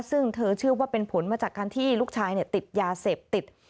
ซึ่งเธอเชื่อว่าเป็นผลมาจากการที่ลูกชายติดยาเสพติด